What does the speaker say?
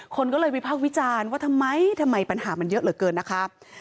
คนก็เลยวิพากษ์วิจารณ์ว่าทำไมทำไมปัญหามันเยอะเหลือเกินนะคะ